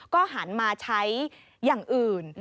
ก็หันมาใช้อย่างอื่น